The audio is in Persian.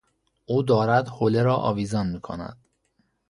او دارد حوله را آویزان میکند.